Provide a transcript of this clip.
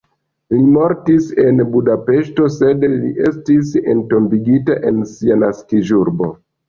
Li mortis en Budapeŝto, sed li estis entombigita en sia naskiĝurbo.